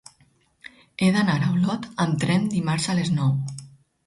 He d'anar a Olot amb tren dimarts a les nou.